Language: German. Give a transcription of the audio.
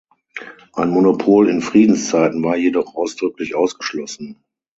Ein Monopol in Friedenszeiten war jedoch ausdrücklich ausgeschlossen.